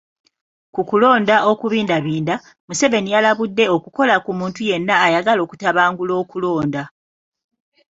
Ku kulonda okubindabinda, Museveni yalabudde okukola ku muntu yenna ayagala okutabangula okulonda.